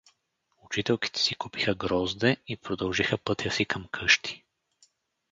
Учителките си купиха грозде и продължиха пътя си към къщи.